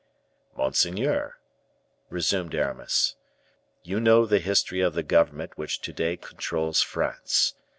"Monseigneur," resumed Aramis, "you know the history of the government which to day controls France.